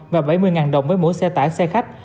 và bảy mươi đồng với mỗi xe tải xe khách